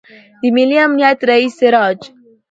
د ملي امنیت رئیس سراج